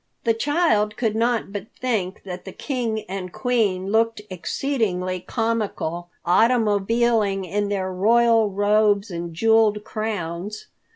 The child could not but think that the King and Queen looked exceedingly comical automobiling in their royal robes and jeweled crowns.